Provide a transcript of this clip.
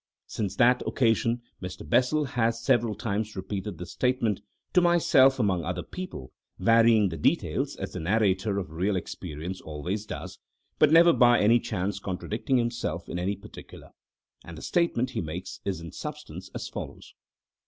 Since that occasion Mr. Bessel has several times repeated this statement—to myself among other people—varying the details as the narrator of real experiences always does, but never by any chance contradicting himself in any particular. And the statement he makes is in substance as follows.